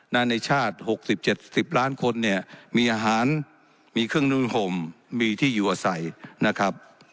ในชาติ๖๐๗๐ล้านคนเนี่ยมีอาหารมีเครื่องนุ่นห่มมีที่อยู่อาศัยนะครับ